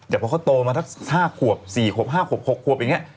แต่พอเขาโตมาสัก๕ขวบ๔ขวบ๕ขวบ๖ขวบอย่างนี้